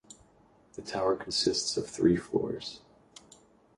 The tower consists of three floors.